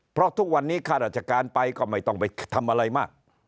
เพราะทุกวันนี้ข้าราชการไปก็ไม่ต้องไปทำอะไรมาก